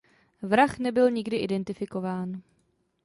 Vrah nebyl nikdy identifikován.